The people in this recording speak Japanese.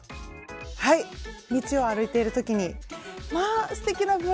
はい道を歩いている時に「まあすてきなブラウスですわね。